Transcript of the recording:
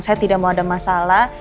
saya tidak mau ada masalah